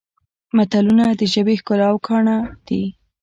متلونه د ژبې ښکلا او ګاڼه دي